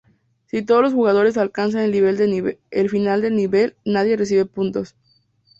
Si todos los jugadores alcanzan el final del nivel, nadie recibe puntos.